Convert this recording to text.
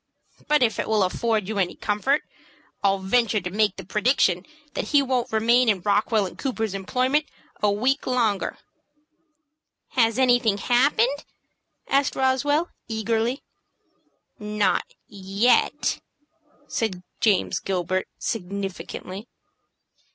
"But if it will afford you any comfort, I'll venture to make the prediction that he won't remain in Rockwell & Cooper's employment a week longer." "Has anything happened?" asked Roswell, eagerly. "Not yet," said James Gilbert, significantly.